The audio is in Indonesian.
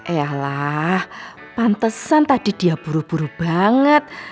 eh alah pantesan tadi dia buru buru banget